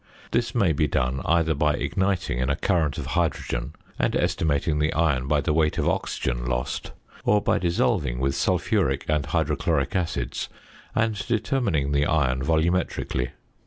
This may be done either by igniting in a current of hydrogen and estimating the iron by the weight of oxygen lost; or, by dissolving with sulphuric and hydrochloric acids, and determining the iron volumetrically.